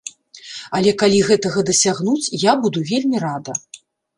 Але калі гэтага дасягнуць, я буду вельмі рада.